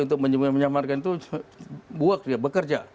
untuk menyambarkan itu buat ya bekerja